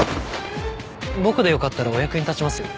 僕で良かったらお役に立ちますよ。